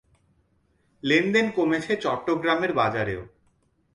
লেনদেন কমেছে চট্টগ্রামের বাজারেও।